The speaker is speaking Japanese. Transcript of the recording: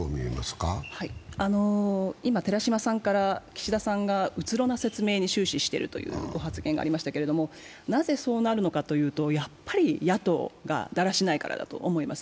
今、岸田さんがうつろな説明に終始しているというご発言がありましたけどなぜそうなるのかというと、やはり野党がだらしないからだと思います。